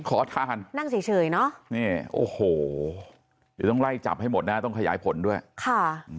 ขอทานนั่งเฉยเฉยเนอะนี่โอ้โหเดี๋ยวต้องไล่จับให้หมดนะต้องขยายผลด้วยค่ะ